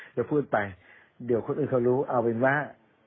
จะพูดไปเดี๋ยวคนอื่นเขารู้เอาเป็นว่า